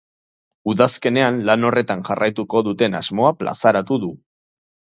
Udazkenean lan horretan jarraituko duten asmoa plazaratu du.